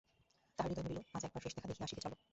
তাহার হৃদয় বলিল, আজ একবার শেষ দেখা দেখিয়া আসিবে চলো।